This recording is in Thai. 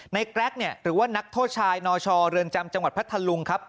แกรกหรือว่านักโทษชายนชเรือนจำจังหวัดพัทธลุงครับ